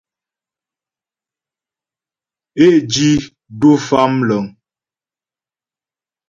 Ě tí du Famləŋ.